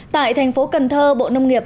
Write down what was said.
tại thành phố cần thơ bộ nông nghiệp